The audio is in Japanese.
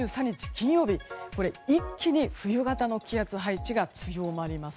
金曜日一気に冬型の気圧配置が強まります。